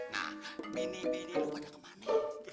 nah bini bini lu pada kemana